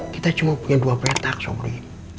kita cuma punya dua petak sobri